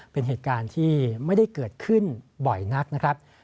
เป็นเหตุการณ์ที่ไม่ได้เกิดขึ้นบ่อยนักนะครับ